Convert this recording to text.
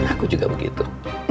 aku juga begitu